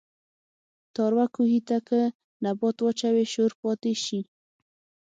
تاروۀ کوهي ته کۀ نبات واچوې شور پاتې شي